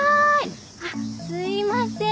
あっすいません。